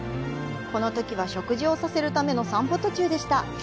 この時は食事をさせるための散歩途中でした。